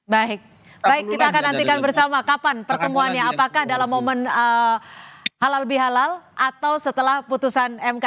baik baik kita akan nantikan bersama kapan pertemuannya apakah dalam momen halal bihalal atau setelah putusan mk